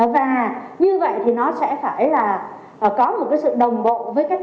và như vậy thì nó sẽ phải là có một cái sự đồng bộ với các chính sách khác của chúng ta về giãn cách